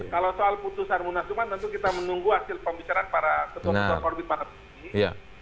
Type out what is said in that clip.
kalau soal putusan munasub kan tentu kita menunggu hasil pembicaraan para ketua ketua forbit pada hari ini